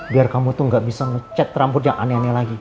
biar kamu tuh gak bisa ngecet rambut yang aneh aneh lagi